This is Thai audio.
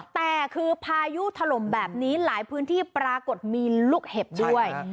แต่คือพายุถล่มแบบนี้หลายพื้นที่ปรากฏมีลูกเห็บด้วย